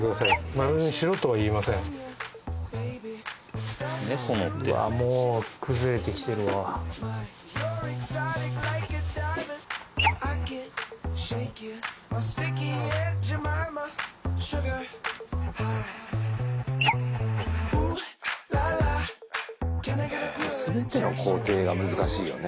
丸にしろとは言いませんうわもう崩れてきてるわ全ての工程が難しいよね